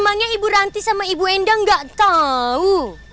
emangnya ibu ranti sama ibu endang gak tau